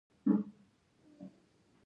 د اړتیا په وخت به د کتابتون کتابونه موجود وو.